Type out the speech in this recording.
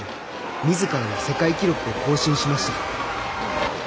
みずからの世界記録を更新しました。